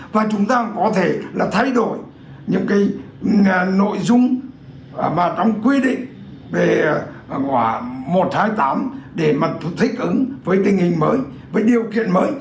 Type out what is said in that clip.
và chúng ta có thể thay đổi những nội dung trong quy định của một trăm hai mươi tám để thích ứng với tình hình mới với điều kiện mới